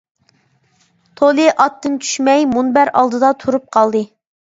تولى ئاتتىن چۈشمەي، مۇنبەر ئالدىدا تۇرۇپ قالدى.